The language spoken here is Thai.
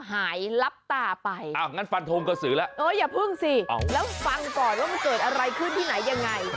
หายลับตาไปอย่าพึ่งสิแล้วฟังก่อนว่ามันเกิดอะไรขึ้นที่ไหนยังไง